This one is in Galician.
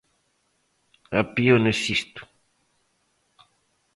A Pione Sisto.